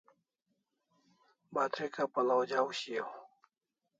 Batrika pal'aw ja'aw shiaw